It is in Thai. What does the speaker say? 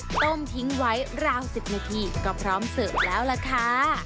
ต้มทิ้งไว้ราว๑๐นาทีก็พร้อมเสิร์ฟแล้วล่ะค่ะ